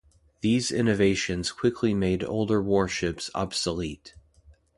These innovations quickly made older warships obsolete.